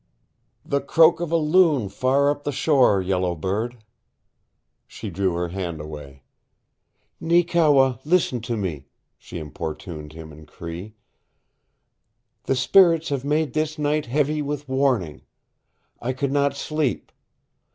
"The croak of a loon far up the shore, Yellow Bird." She drew her hand away. "Neekewa, listen to me," she importuned him in Cree. "The spirits have made this night heavy with warning. I could not sleep.